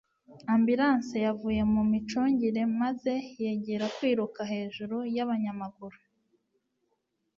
Ambulanse yavuye mu micungire maze yegera kwiruka hejuru y'abanyamaguru